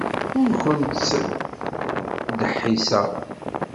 Ur kent-ttdeḥḥiseɣ.